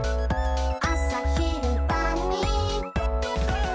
「あさ、ひる、ばん、に」